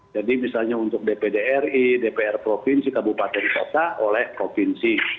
jadi misalnya untuk dpdri dpr provinsi kabupaten kota oleh provinsi